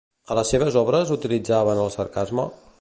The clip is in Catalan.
A les seves obres utilitzaven el sarcasme?